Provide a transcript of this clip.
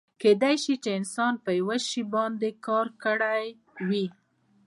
کیدای شي چې انسان په یو شي باندې کار کړی وي.